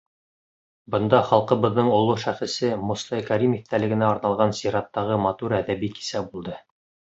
Бында халҡыбыҙҙың оло шәхесе Мостай Кәрим иҫтәлегенә арналған сираттағы матур әҙәби кисә булды.